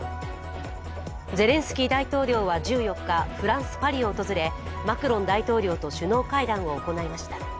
ゼレンスキー大統領は１４日、フランス・パリを訪れマクロン大統領と首脳会談を行いました。